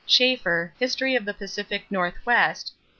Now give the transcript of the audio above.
= Schafer, History of the Pacific Northwest, pp.